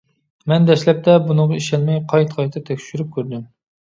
مەن دەسلەپتە بۇنىڭغا ئىشەنمەي قايتا-قايتا تەكشۈرۈپ كۆردۈم.